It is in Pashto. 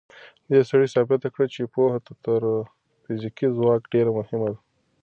دې سړي ثابته کړه چې پوهه تر فزیکي ځواک ډېره مهمه ده.